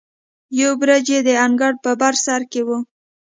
یو برج یې د انګړ په بر سر کې و.